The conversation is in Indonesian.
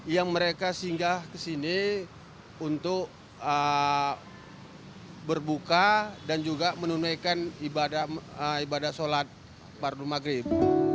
yang mereka singgah ke sini untuk berbuka dan juga menunaikan ibadah sholat pardu maghrib